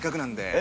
え？